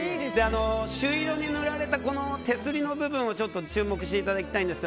朱色に塗られたこの手すりの部分に注目していただきたいんです。